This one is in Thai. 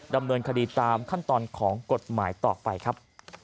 ดำเนินคดีตามขั้นตอนของกฎหมายต่อไปครับ